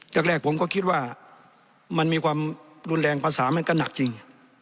แรกผมก็คิดว่ามันมีความรุนแรงภาษามันก็หนักจริง